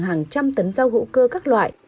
hàng trăm tấn rau hữu cơ các loại